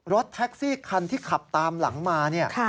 รถแท็กซี่คันที่ขับตามหลังมาเนี่ย